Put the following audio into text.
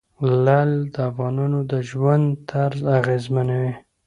لعل د افغانانو د ژوند طرز اغېزمنوي.